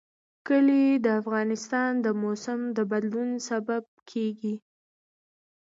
کلي د افغانستان د موسم د بدلون سبب کېږي.